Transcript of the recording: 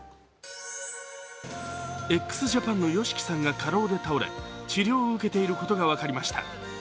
ＸＪＡＰＡＮのＹＯＳＨＩＫＩさんが過労で倒れ治療を受けていることが分かりました。